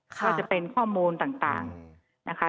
ก็จะเป็นข้อมูลต่างนะคะ